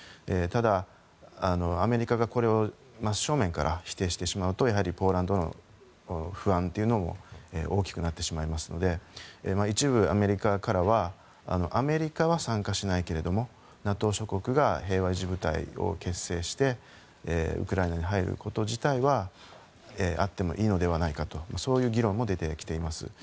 ただ、アメリカがこれを真正面から否定してしまうとやはりポーランドの不安も大きくなってしまいますので一部、アメリカからはアメリカは参加しないけれどもＮＡＴＯ諸国が平和維持部隊を結成してウクライナに入ること自体はあってもいいのではないかとそういう議論も出てきています。